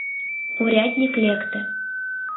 Урядник лекте.